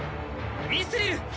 ミスリル！